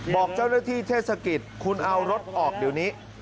บอกเจ้าหน้าที่เทศกิจคุณเอารถออกเดี๋ยวนี้